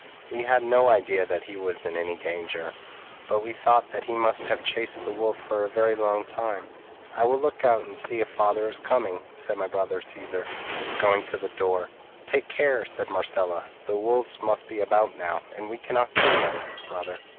We had no idea that he was in any danger, but we thought that he must have chased the wolf for a very long time. 'I will look out and see if father is coming,' said my brother Caesar, going to the door. 'Take care,' said Marcella, 'the wolves must be about now, and we cannot kill them, brother.'